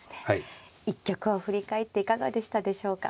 一局を振り返っていかがでしたでしょうか。